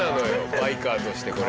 バイカーとしてこれ。